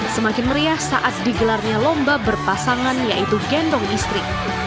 semakin meriah saat digelarnya lomba berpasangan yaitu gendong istri